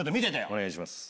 お願いします。